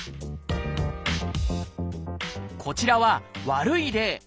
こちらは悪い例。